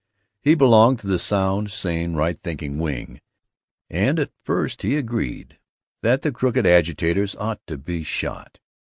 He belonged to the sound, sane, right thinking wing, and at first he agreed that the Crooked Agitators ought to be shot.